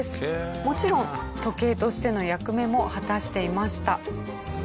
もちろん時計としての役目も果たしていました。